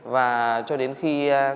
và cho đến khi